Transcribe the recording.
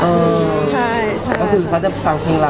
แต่จริงแล้วเขาก็ไม่ได้กลิ่นกันว่าถ้าเราจะมีเพลงไทยก็ได้